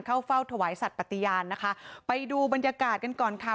เข้าเฝ้าถวายสัตว์ปฏิญาณนะคะไปดูบรรยากาศกันก่อนค่ะ